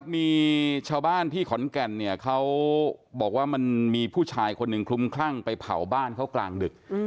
มีชาวบ้านที่ขอนแก่นเนี่ยเขาบอกว่ามันมีผู้ชายคนหนึ่งคลุมคลั่งไปเผาบ้านเขากลางดึก